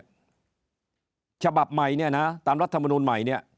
ที่ของชาบับใหม่นี่ตามรัฐมนูลใหม่